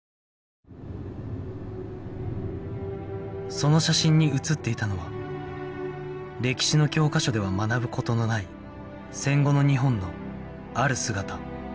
その写真に写っていたのは歴史の教科書では学ぶ事のない戦後の日本のある姿